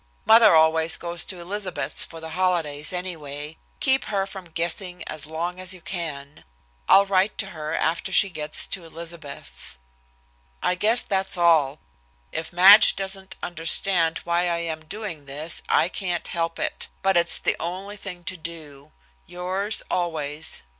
Mother always goes to Elizabeth's for the holidays, anyway. Keep her from guessing as long as you can. I'll write to her after she gets to Elizabeth's. "I guess that's all. If Madge doesn't understand why I am doing this I can't help it. But it's the only thing to do. Yours always.